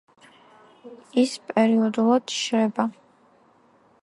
ის პერიოდულად შრება.